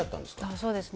そうですね。